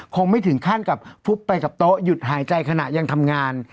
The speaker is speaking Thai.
คงไม่ถึงขั้นกับฟุบไปกับโต๊ะหยุดหายใจขณะยังทำงาน